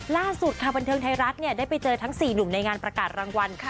ล่าสุดค่ะบันเทิงไทยรัฐได้ไปเจอทั้ง๔หนุ่มในงานประกาศรางวัล